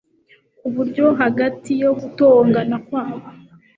Ku buryo hagati yo gutongana kwabo